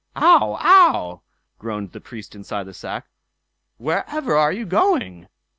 "OW! OW!" groaned the Priest inside the sack, "wherever are we going?"